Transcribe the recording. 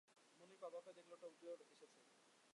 মুনির অবাক হয়ে দেখল, টগর এসেছে।